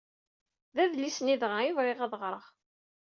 D adlis-nni dɣa i bɣiɣ ad ɣreɣ.